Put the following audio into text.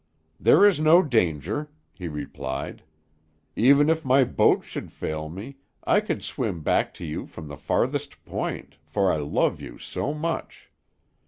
"There is no danger," he replied. "Even if my boat should fail me, I could swim back to you from the farthest point, for I love you so much.